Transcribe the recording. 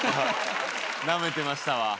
なめてましたわ。